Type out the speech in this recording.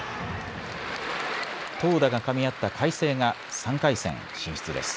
投打がかみ合った海星が３回戦進出です。